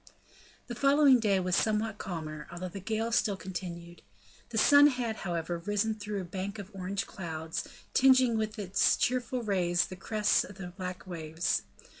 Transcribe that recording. The following day was somewhat calmer, although the gale still continued. The sun had, however, risen through a bank of orange clouds, tingeing with its cheerful rays the crests of the black waves.